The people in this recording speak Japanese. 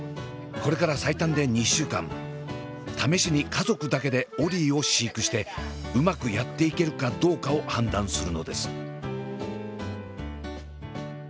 これから最短で２週間試しに家族だけでオリィを飼育してうまくやっていけるかどうかを判断するのです。